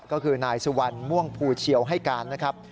ก็คือนายสุวรรณม่วงภูเชียวให้การนะครับ